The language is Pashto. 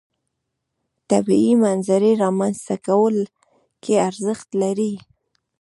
طبیعي منظرې رامنځته کولو کې ارزښت لري.